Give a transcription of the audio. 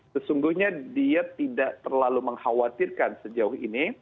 sesungguhnya dia tidak terlalu mengkhawatirkan sejauh ini